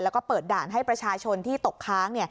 แล้วก็เปิดด่านให้ประชาชนที่ตกค้าง